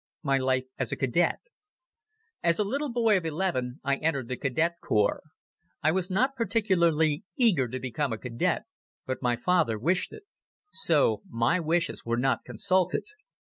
My Life as a Cadet AS a little boy of eleven I entered the Cadet Corps. I was not particularly eager to become a Cadet, but my father wished it. So my wishes were not consulted.